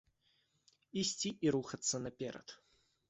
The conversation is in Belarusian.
Ісці і рухацца наперад.